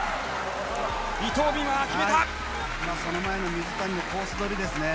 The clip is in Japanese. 伊その前の水谷のコース取りですね。